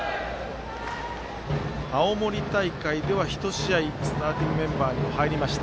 青森大会では１試合スターティングメンバーに入りました。